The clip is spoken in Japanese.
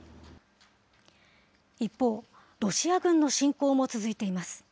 一方、ロシア軍の侵攻も続いています。